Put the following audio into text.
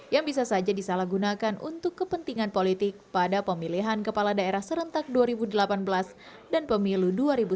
yang bisa saja disalahgunakan untuk kepentingan politik pada pemilihan kepala daerah serentak dua ribu delapan belas dan pemilu dua ribu sembilan belas